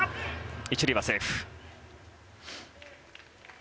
１塁はセーフ。